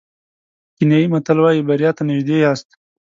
کینیايي متل وایي بریا ته نژدې یاست.